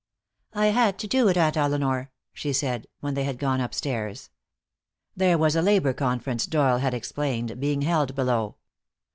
"I had to do it, Aunt Elinor," she said, when they had gone upstairs. There was a labor conference, Doyle had explained, being held below.